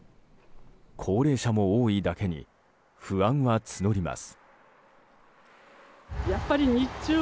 高齢者も多いだけに不安は募ります。